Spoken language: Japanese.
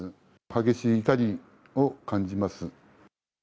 激しい怒りを感じます。